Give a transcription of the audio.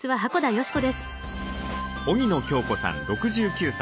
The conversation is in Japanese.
荻野恭子さん６９歳。